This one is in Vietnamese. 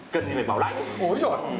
cần gì phải bảo lãnh